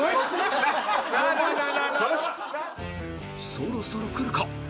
［そろそろくるか？］